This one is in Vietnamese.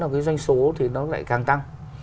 là cái doanh số thì nó lại càng tăng